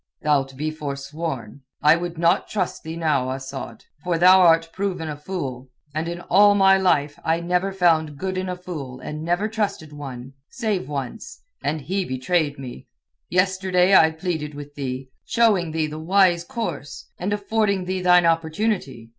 "Thou'lt be forsworn. I would not trust thee now, Asad. For thou art proven a fool, and in all my life I never found good in a fool and never trusted one—save once, and he betrayed me. Yesterday I pleaded with thee, showing thee the wise course, and affording thee thine opportunity.